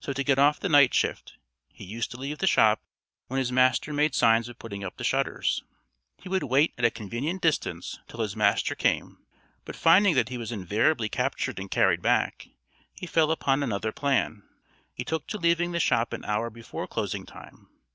So to get off the night shift, he used to leave the shop when his master made signs of putting up the shutters. He would wait at a convenient distance till his master came; but finding that he was invariably captured and carried back, he fell upon another plan: he took to leaving the shop an hour before closing time.